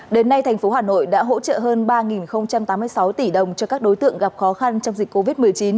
đến nay tp hà nội đã hỗ trợ hơn ba tám mươi sáu tỷ đồng cho các đối tượng gặp khó khăn trong dịch covid một mươi chín